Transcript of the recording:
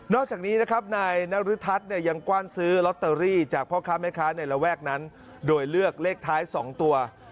อกจากนี้นะครับนายนรึทัศน์เนี่ยยังกว้านซื้อลอตเตอรี่จากพ่อค้าแม่ค้าในระแวกนั้นโดยเลือกเลขท้าย๒ตัว